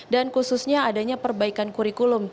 dan khususnya adanya perbaikan kurikulum